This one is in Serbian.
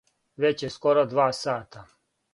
Већ је скоро два сата.